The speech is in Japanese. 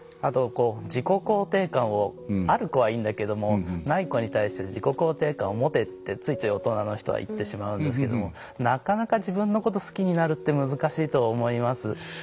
自己肯定がある子はいいけどない子に対して自己肯定感を持てってついつい大人の人は言ってしまうんですけどなかなか自分のことを好きになるって難しいと思います。